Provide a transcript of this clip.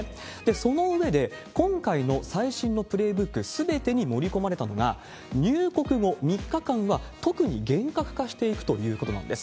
その上で、今回の最新のプレーブックすべてに盛り込まれたのが、入国後３日間は特に厳格化していくということなんです。